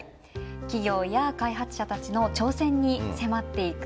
企業や開発者たちの挑戦に迫っていく。